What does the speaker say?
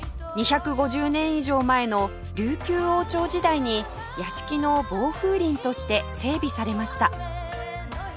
２５０年以上前の琉球王朝時代に屋敷の防風林として整備されました